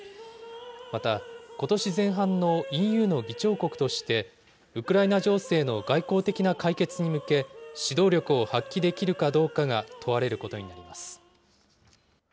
また、ことし前半のＥＵの議長国としてウクライナ情勢の外交的な解決に向け、指導力を発揮できるかどうかが問われることになります。